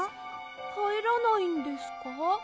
かえらないんですか？